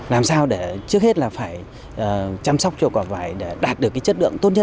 làm sao để trước hết là phải chăm sóc cho quả vải để đạt được cái chất lượng tốt nhất